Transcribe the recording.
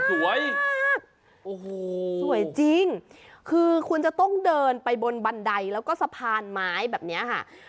สวยมากโอ้โหสวยจริงคือคุณจะต้องเดินไปบนบันไดแล้วก็สะพานไม้แบบนี้ค่ะ